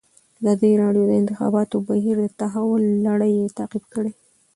ازادي راډیو د د انتخاباتو بهیر د تحول لړۍ تعقیب کړې.